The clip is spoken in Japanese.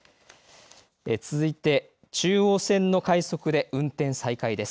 続いて中央線の快速で運転再開です。